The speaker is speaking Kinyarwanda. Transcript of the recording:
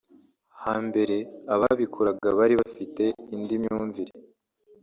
Hambere ababikoraga bari bafite indi myumvire